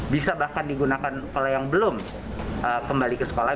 bisa bahkan digunakan kalau yang belum kembali ke sekolah